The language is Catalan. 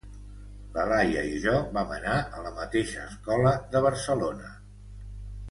La Laia i jo vam anar a la mateixa escola de Barcelona.